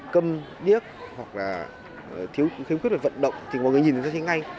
câm điếc hoặc là thiếu khuyến khuyết về vận động thì mọi người nhìn thấy ngay